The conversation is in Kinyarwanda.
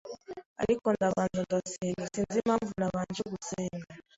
ariko ndabanza ndasenga. Sinzi impamvu nabanje gusenga.